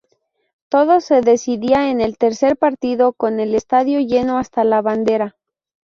Todo se decidía en el tercer partido, con el estadio lleno hasta la bandera.